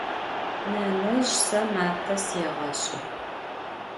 Nenezj se mate sêğeş'ı.